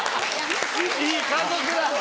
いい家族だ。